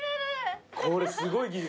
これすごい技術。